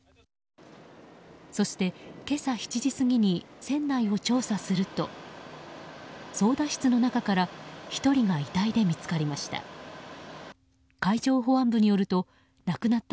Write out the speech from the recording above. そして、今朝７時過ぎに船内を調査すると操舵室の中から１人が遺体で見つかりました。